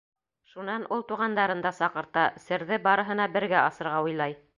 Шунан ул туғандарын да саҡырта, серҙе барыһына бергә асырға уйлай.